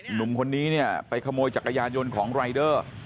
หนุ่มคนนี้ไปขโมยจักรยานโยนของไลเดอร์